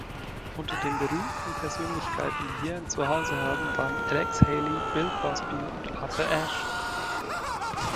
Unter den berühmten Persönlichkeiten, die hier ein Zuhause haben, waren Alex Haley, Bill Cosby und Arthur Ashe.